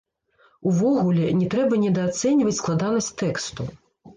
Увогуле не трэба недаацэньваць складанасць тэксту.